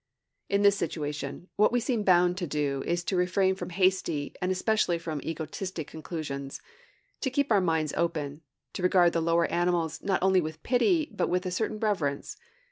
In this situation, what we seem bound to do is to refrain from hasty, and especially from egotistic conclusions, to keep our minds open, to regard the lower animals, not only with pity, but with a certain reverence.